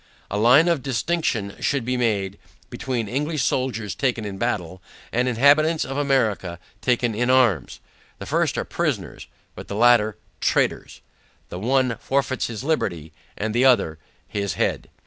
A line of distinction should be drawn, between, English soldiers taken in battle, and inhabitants of America taken in arms. The first are prisoners, but the latter traitors. The one forfeits his liberty, the other his head.